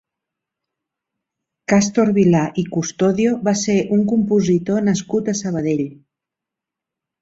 Càstor Vilà i Custodio va ser un compositor nascut a Sabadell.